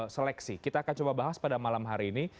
seleksi kita akan coba bahas pada malam hari ini